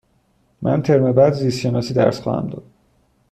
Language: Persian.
من ترم بعد زیست شناسی درس خواهم داد.